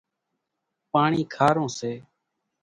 پاڻِي کارون سي۔